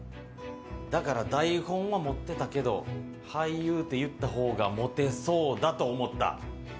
だから台本は持ってたけど俳優って言った方がモテそうだと思った。